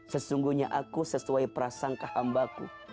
sesungguhnya aku sesuai prasangka hambaku